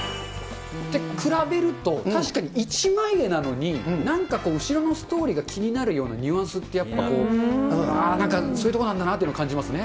比べると、確かに一枚絵なのに、なんか後ろのストーリーが気になるようなニュアンスってやっぱこう、ああ、なんか、そういう所なんだなっていうのを感じますね。